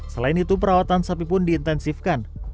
selain itu perawatan sapi pun diintensifkan